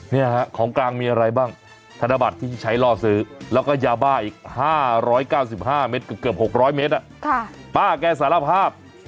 เนี่ยฮะของกลางมีอะไรบ้างธนบัตรที่ใช้ล่อซื้อแล้วก็ยาบ้าอีก๕๙๕เมตรเกือบ๖๐๐เมตรป้าแกสารภาพ